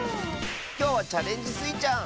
きょうは「チャレンジスイちゃん」！